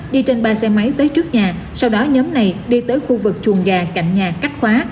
đi trên ba xe máy tới trước nhà sau đó nhóm này đi tới khu vực chuồng gà cạnh nhà cách khóa